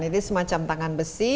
jadi semacam tangan besi